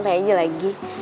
sampai aja lagi